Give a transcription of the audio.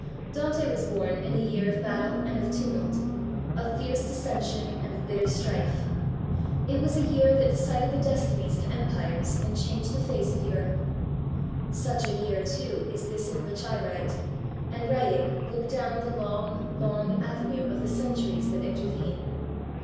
Dante was born in a year of battle and of tumult, of fierce dissension and of bitter strife. It was a year that decided the destinies of empires and changed the face of Europe. Such a year, too, is this in which I write, and, writing, look down the long, long avenue of the centuries that intervene.